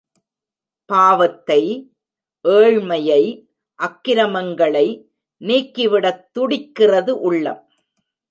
பாவத்தை —ஏழ்மையை அக்கிரமங்களை நீக்கிவிடத் துடிக்கிறது உள்ளம்.